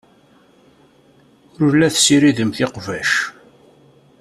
Ur la tessiridemt iqbac.